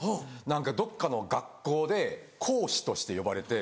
何かどっかの学校で講師として呼ばれて。